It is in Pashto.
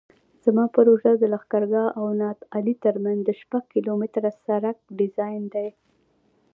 زما پروژه د لښکرګاه او نادعلي ترمنځ د شپږ کیلومتره سرک ډیزاین دی